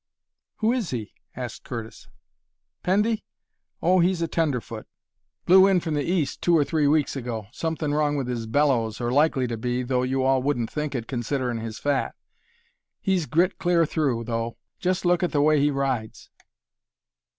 "Who is he?" asked Curtis. "Pendy? Oh, he's a tenderfoot. Blew in from the East two or three weeks ago. Somethin' wrong with his bellows or likely to be, though you all wouldn't think it, considerin' his fat. He's grit clear through, though! Just look at the way he rides!"